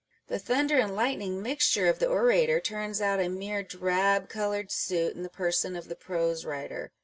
The thunder and lightning mixture of the orator turns out a mere drab coloured suit in the person of the prose writer.